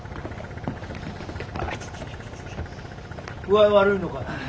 具合悪いのかい？